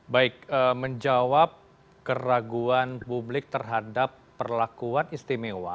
baik menjawab keraguan publik terhadap perlakuan istimewa